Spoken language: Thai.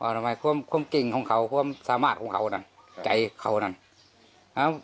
ทำไมความความเก่งของเขาความสามารถของเขานั่นใจเขานั่น